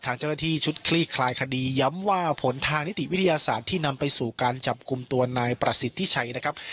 ทางเจ้าหน้าที่ชุดคลี่คลายคดีย้ำว่าผลทางนิติวิทยาศาสตร์ที่นำไปสู่การจับกลุ่มตัวนายประสิทธิชัยนะครับ